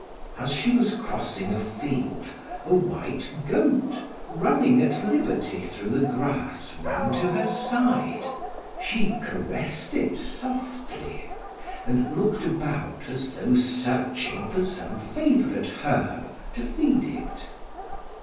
As she was crossing a field, a white goat, running at liberty through the grass, ran to her side; she caressed it softly, and looked about as though searching for some favorite herb to feed it.